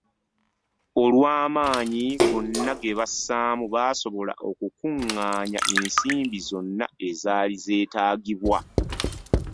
Olw'amaanyi gonna gebassaamu, baasobola okukungaanya ensimbi zonna ezaali zeetaagibwa.